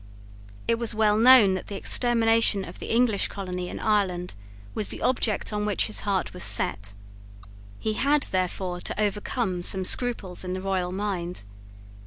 It was well known that the extermination of the English colony in Ireland was the object on which his heart was set. He had, therefore, to overcome some scruples in the royal mind.